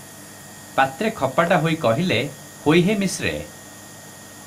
ପାତ୍ରେ ଖପାଟା ହୋଇ କହିଲେ, "ହୋଇ ହେ ମିଶ୍ରେ!